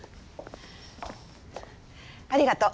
ありがとう。